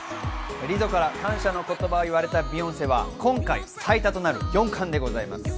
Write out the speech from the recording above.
リゾから感謝の言葉を言われたビヨンセは今回、最多となる４冠でございます。